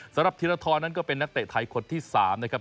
สำหรับทีละท้อนั้นก็เป็นนักเตะไทยคนที่๓นะครับ